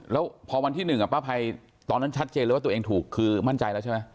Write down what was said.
แล้วพอวันที่๑ป้าภัยตอนนั้นชัดเจนเลยว่าตัวเองถูกคือมั่นใจแล้วใช่ไหม